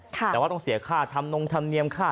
แต่ว่าต้องเสียค่าทำนงธรรมเนียมค่า